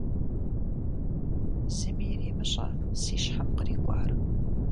Зыми иремыщӀэ си щхьэм кърикӀуар.